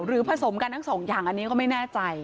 ผสมกันทั้งสองอย่างอันนี้ก็ไม่แน่ใจ